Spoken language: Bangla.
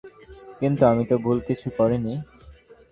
কিন্তু আমি তো ভুল কিছু করিনি।